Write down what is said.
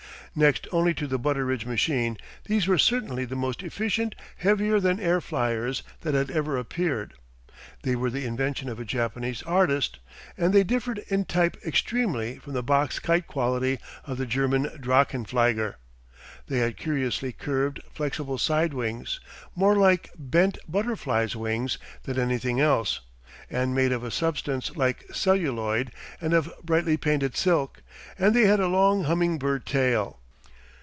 Next only to the Butteridge machine, these were certainly the most efficient heavier than air fliers that had ever appeared. They were the invention of a Japanese artist, and they differed in type extremely from the box kite quality of the German drachenflieger. They had curiously curved, flexible side wings, more like bent butterfly's wings than anything else, and made of a substance like celluloid and of brightly painted silk, and they had a long humming bird tail.